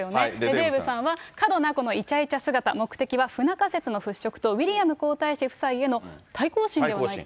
デーブさんは過度なイチャイチャ姿、目的は不仲説の払拭と、ウィリアム皇太子夫妻への対抗心ではないかと。